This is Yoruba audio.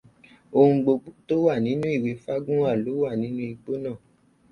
Ohun gbogbo tó wà nínú ìwé Fagunwa ló wà nínú igbó náà